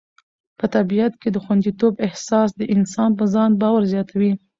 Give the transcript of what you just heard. په طبیعت کې د خوندیتوب احساس د انسان په ځان باور زیاتوي.